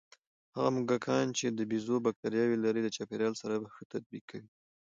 هغه موږکان چې د بیزو بکتریاوې لري، د چاپېریال سره ښه تطابق کوي.